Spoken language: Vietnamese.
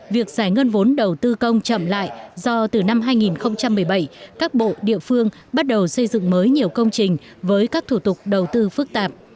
việc giải ngân vốn đầu tư công chậm lại do từ năm hai nghìn một mươi bảy các bộ địa phương bắt đầu xây dựng mới nhiều công trình với các thủ tục đầu tư phức tạp